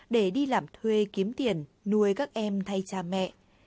để đi làm thuê kiếm tiền nuôi các em thay cha mẹ